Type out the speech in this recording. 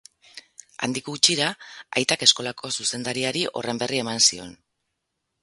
Handik gutxira, aitak eskolako zuzendariari horren berri eman zion.